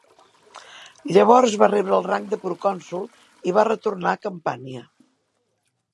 Llavors va rebre el rang de procònsol i va retornar a Campània.